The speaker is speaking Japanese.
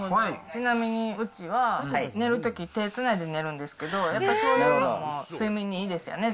ちなみにうちは、寝るとき手つないで寝るんですけど、やっぱそういうのも睡眠にいいですよね？